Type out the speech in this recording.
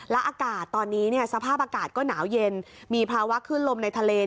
และอากาศตอนนี้สภาพอากาศก็หนาวเย็นมีภาวะขึ้นลมในทะเล